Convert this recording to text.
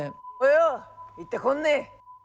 およ行ってこんね。